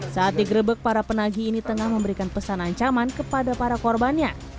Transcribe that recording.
saat digrebek para penagi ini tengah memberikan pesan ancaman kepada para korbannya